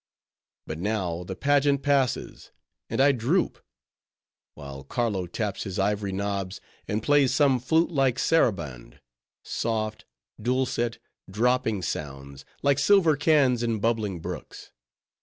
But now the pageant passes, and I droop; while Carlo taps his ivory knobs; and plays some flute like saraband—soft, dulcet, dropping sounds, like silver cans in bubbling brooks.